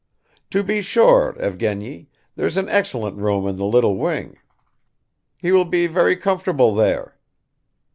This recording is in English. "To be sure, Evgeny, there's an excellent room in the little wing; he will be very comfortable there."